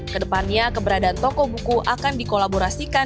kedepannya keberadaan toko buku akan dikolaborasikan